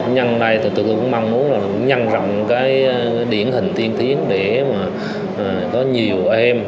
nhân đây tôi cũng mong muốn là nhăn rộng cái điển hình tiên tiến để mà có nhiều em